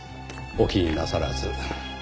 お気になさらず。